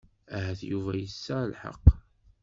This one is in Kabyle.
Ahat Yuba yesɛa lḥeqq.